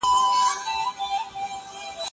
ایا ته په خپله موضوع کي کومه بله سرچینه لري؟